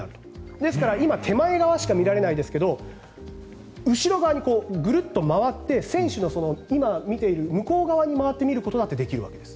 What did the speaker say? ですから今、手前側しか見られないですが後ろ側にグルっと回って選手が今、見ている向こう側に回って見ることもできるんです。